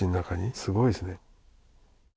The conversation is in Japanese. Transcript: すごいですね。